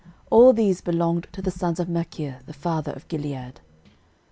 All these belonged to the sons of Machir the father of Gilead.